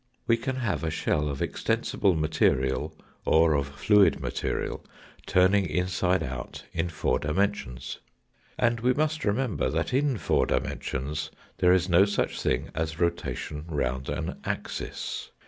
We can have a shell of extensible material or of fluid material turning inside out in four dimensions. And we must remember that in four dimensions there is no such thing as rotation round an axis.